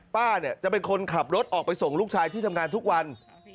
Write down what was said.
ป้าเนี่ยจะเป็นคนขับรถออกไปส่งลูกชายที่ทำงานทุกวัน